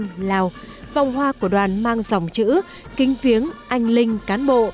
tại lào vòng hoa của đoàn mang dòng chữ kinh viếng anh linh cán bộ